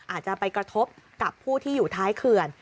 อาจจะไปกระทบกับผู้ที่อยู่ท้ายเขื่อน